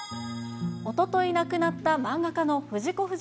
おととい亡くなった漫画家の藤子